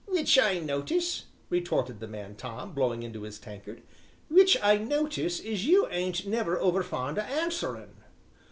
"W'ich I notice," retorted the man Tom, blowing into his tankard, "w'ich I notice as you ain't never over fond o' answerin'."